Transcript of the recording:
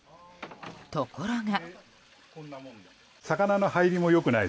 ところが。